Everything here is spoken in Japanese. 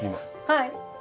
はい。